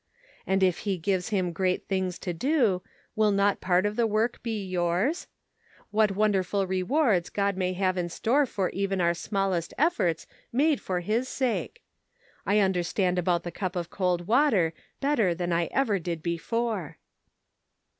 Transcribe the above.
And if he gives him great things to do, will not part of the work be yours ? What wonderful rewards God may have in store for even our smallest efforts made for his sake I I Measuring Human Influence. 393 understand about the cup of cold water better than I ever did before."